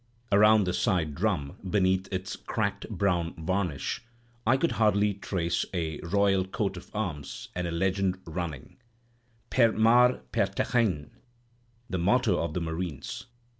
Around the side drum, beneath its cracked brown varnish. I could hardly trace a royal coat of arms and a legend running, "Per Mare Per Terrain"—the motto of the marines.